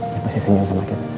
dia pasti senyum sama kita